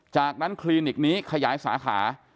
จากนั้นคลินิกนี้ขยายสาขา